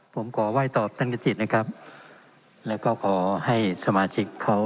ผมขอไหว้ตอบท่านกระจิตนะครับแล้วก็ขอให้สมาชิกเขา